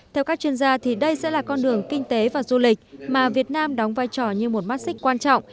theo các chuyên gia đây sẽ là con đường kinh tế và du lịch mà việt nam đóng vai trò như một mắt xích quan trọng